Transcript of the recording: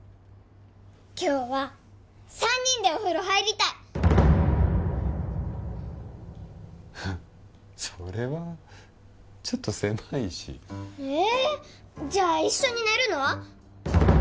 今日は三人でお風呂入りたいそれはちょっと狭いしええじゃあ一緒に寝るのは？